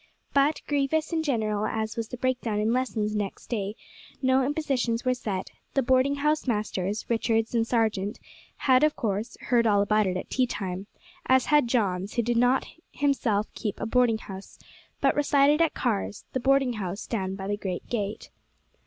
But, grievous and general as was the breakdown in lessons next day, no impositions were set; the boarding house masters, Richards and Sargent, had of course heard all about it at tea time, as had Johns, who did not himself keep a boarding house, but resided at Carr's, the boarding house down by the great gate.